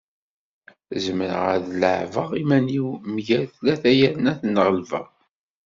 Zemreɣ ad leɛbeɣ iman-iw mgal tlata yerna ad ten-ɣelbeɣ.